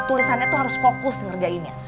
tulisannya tuh harus fokus ngerjainnya